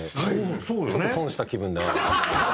ちょっと損した気分だな。